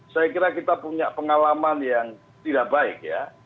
saya kira kita punya pengalaman yang tidak baik ya